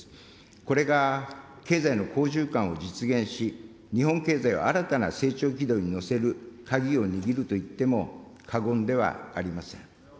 これが、経済の好循環を実現し、日本経済を新たな成長軌道に乗せる鍵を握るといっても過言ではありません。